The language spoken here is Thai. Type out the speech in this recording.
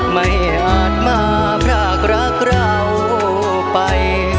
ไม่อาจมาพรากรักเราไป